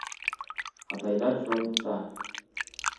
Атайҙар фронтта.